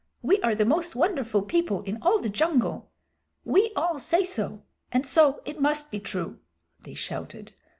We are the most wonderful people in all the jungle! We all say so, and so it must be true," they shouted.